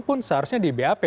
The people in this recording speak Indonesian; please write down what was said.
pun seharusnya di bap